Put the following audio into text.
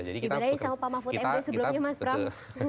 ibadahnya sama pak mahfud mp sebelumnya mas pram